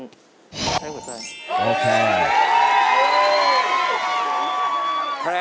ไม่ใช่หัวใจ